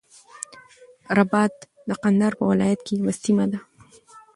رباط د قندهار په ولایت کی یوه سیمه ده.